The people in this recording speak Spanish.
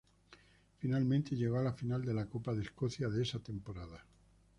Finalmente, llegó a la final de la Copa de Escocia de esa temporada.